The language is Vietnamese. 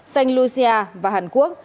saint lucia và hàn quốc